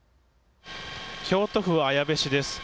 京都府は綾部市です。